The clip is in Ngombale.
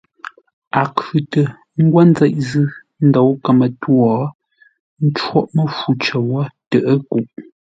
A khʉ̂tə ńgwó nzeʼ zʉ́ ńdǒu kəmə-twô, ə́ ncóghʼ məfu cər wó tə ə́ kuʼ.